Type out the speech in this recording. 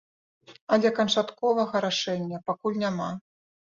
Але канчатковага рашэння пакуль няма.